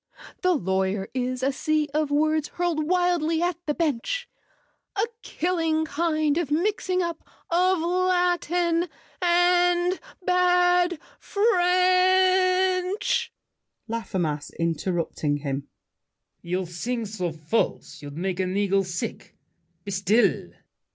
"The lawyer is a sea of words Hurled wildly at the bench. A killing kind of mixing up Of Latin and bad French—" LAFFEMAS (interrupting him). You sing so false, you'd make an eagle sick. Be still!